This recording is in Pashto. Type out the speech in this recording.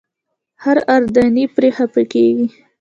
هر اردني پرې خپه کېږي.